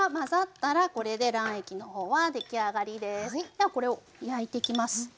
ではこれを焼いていきます。